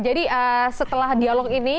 jadi setelah dialog ini